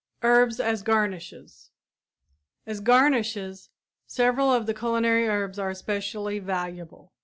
HERBS AS GARNISHES As garnishes several of the culinary herbs are especially valuable.